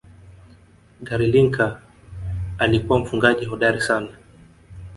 gary lineker alikuwa mfungaji hodari sana